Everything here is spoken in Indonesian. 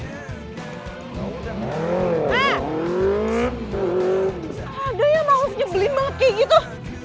tadanya mau nyebelin banget kayak gitu